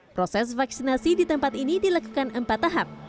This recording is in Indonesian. proses vaksinasi di tempat ini dilakukan empat tahap